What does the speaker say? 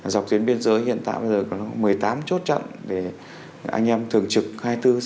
dọc tuyến biên giới hiện tại bây giờ có một mươi tám chốt chặn để anh em thường trực hai mươi bốn x hai mươi bốn